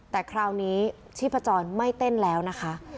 แต่คราวนี้ชีพจรไม่เต้นแล้วนะคะ